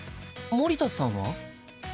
森田さんは？